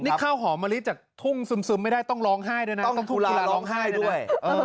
นี่ข้าวหอมมะลิจากทุ่งซึมไม่ได้ต้องร้องไห้ด้วยนะต้องทุ่งกีฬาร้องไห้ด้วย